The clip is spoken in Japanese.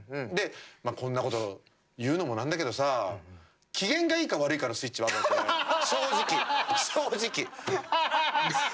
こんなこと言うのもなんだけどさ機嫌がいいか悪いかのスイッチはあるわけ、正直、正直。